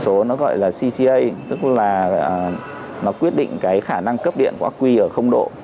đó nó gọi là cca tức là nó quyết định cái khả năng cấp điện của ác quy ở không độ